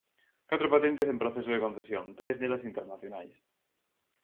Catro patentes en proceso de concesión, tres delas internacionais.